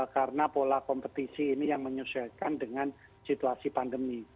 karena pola kompetisi ini yang menyesuaikan dengan situasi pandemi